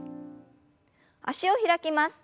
脚を開きます。